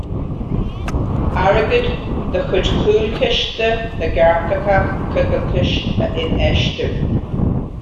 Airgead de chuid Chúlchiste na gCairteacha Coigiltis a infheistiú.